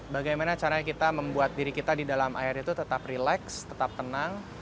bagaimana caranya kita membuat diri kita di dalam air itu tetap rileks tetap tenang